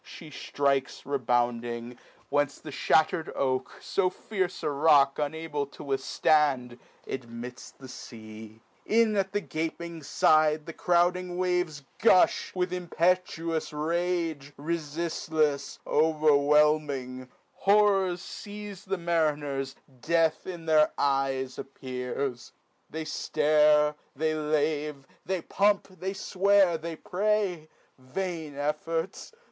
She ftrikes rebounding, whence the ihatter'd oak, So fierce a rock unable to withftand, Admits the fea ; in at the gaping fide The crouding waves gufti with impetuous rage, Refiftlefs, overwhelming; horrors feize The mariners, death in their eyes appears, (pray: They ftare, they lave, they pump, they fwear, they (Vain efforts